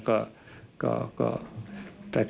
ก็นั่นน่ะ